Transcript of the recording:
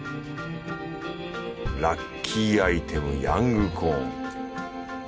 ラッキーアイテムヤングコーン。